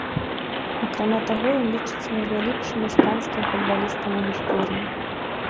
Акрамя таго, ён лічыцца найвялікшым іспанскім футбалістам у гісторыі.